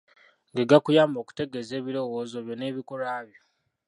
Ge gakuyamba okutegeeza ebirowoozo byo n'ebikolwa byo.